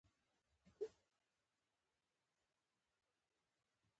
احمدشاه بابا به د خلکو ستونزې د نژدي څارلي.